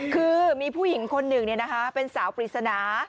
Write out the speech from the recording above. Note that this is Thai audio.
คือมีผู้หญิงคนหนึ่งเป็นสาวปริศนา